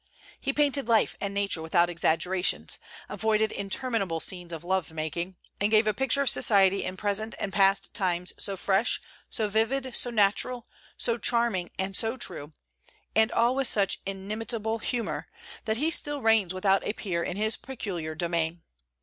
He painted life and Nature without exaggerations, avoided interminable scenes of love making, and gave a picture of society in present and past times so fresh, so vivid, so natural, so charming, and so true, and all with such inimitable humor, that he still reigns without a peer in his peculiar domain.